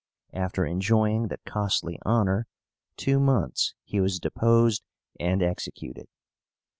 After enjoying the costly honor two months he was deposed and executed.